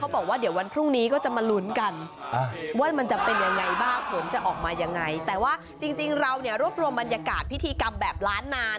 บรรยากาศพิธีกรรมแบบล้านนา